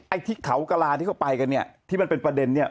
ไอ้ที่เขากระลาที่เขาไปกันเนี่ยที่มันเป็นประเด็นเนี่ย